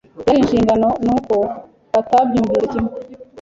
Byari inshingano nuko batabyumvise kimwe